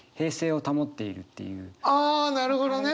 ああなるほどね。